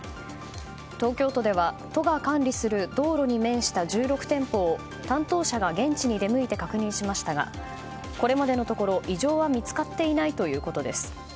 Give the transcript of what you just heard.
東京都では、都が管理する道路に面した１６店舗を担当者が現地に出向いて確認しましたがこれまでのところ異常は見つかっていないということです。